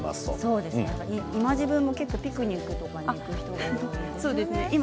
今時分もピクニックに行く人が多いんですよね。